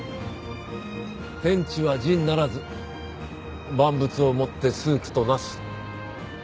天地は仁ならず万物をもって芻狗となす。